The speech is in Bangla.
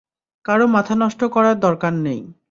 কারো মাথা নষ্ট করার দরকার নেই।